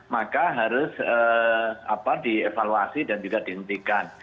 maka harus dievaluasi dan juga dihentikan